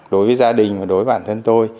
đối với gia đình và đối với bản thân tôi